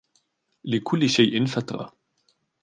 لِكُلِّ شَيْءٍ فَتْرَةٌ